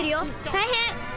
たいへん！